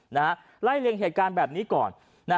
ไล่เลียงเหตุการณ์แบบนี้ก่อน